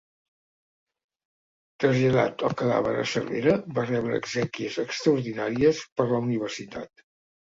Traslladat el cadàver a Cervera va rebre exèquies extraordinàries per la Universitat.